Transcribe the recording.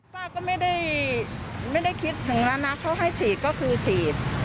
ป้าก็ไม่ได้คิดถึงแล้วนะเขาให้ฉีดก็คือฉีด